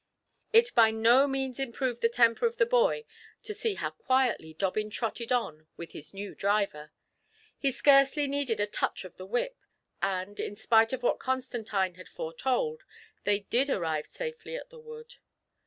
It by no means improved the temper of the boy to see how quietly Dobbin trotted on with his new driver ;' he scarcely needed a touch of the whip, and, in spite of what Constantine had foretold, they did arrive safely at the wood.